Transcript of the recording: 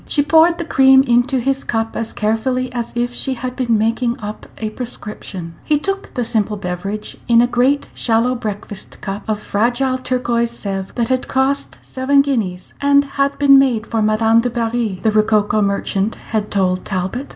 She poured the cream into his cup as carefully as if she had been making up a prescription. He took the simple beverage in a great shallow breakfast cup of fragile turquoise Sevres, that had cost seven guineas, and had been made for Madame du Barry, the rococo merchant had told Talbot.